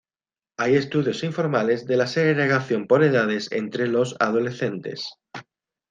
Hay estudios informales de la segregación por edades entre los adolescentes.